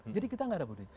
jadi kita tidak ada budaya